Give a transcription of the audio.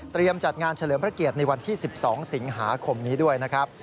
จัดงานเฉลิมพระเกียรติในวันที่๑๒สิงหาคมนี้ด้วยนะครับ